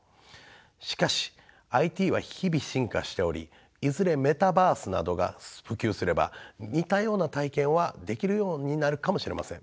しかしＩＴは日々進化しておりいずれメタバースなどが普及すれば似たような体験はできるようになるかもしれません。